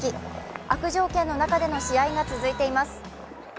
悪条件の中での試合が続いています。